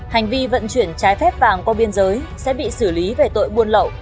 hành vi vận chuyển trái phép vàng qua biên giới sẽ bị xử lý về tội buôn lậu